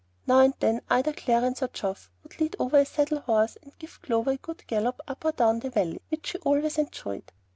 Now and then either Clarence or Geoff would lead over a saddle horse and give Clover a good gallop up or down the valley, which she always enjoyed.